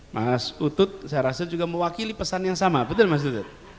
mas utut saya rasa juga mewakili pesan yang sama betul mas dutut